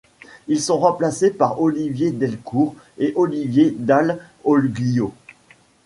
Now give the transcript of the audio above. Ils sont remplacés par Olivier Delcourt et Olivier Dall'Oglio.